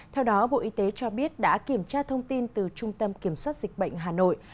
theo đó bộ y tế cho biết đã kiểm tra thông tin từ trung tâm kiểm soát dịch bệnh hà nội